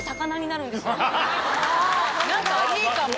何かいいかも。